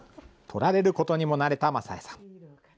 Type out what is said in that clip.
撮られることにも慣れたマサ江さん。